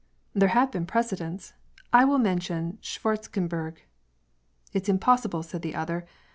" There have been precedents. I will mention Schwartzen berg." " It's impossible," said the other.